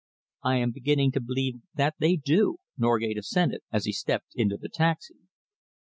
"I am beginning to believe that they do," Norgate assented, as he stepped into the taxi.